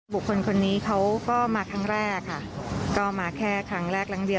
คนนี้เขาก็มาครั้งแรกค่ะก็มาแค่ครั้งแรกหลังเดียว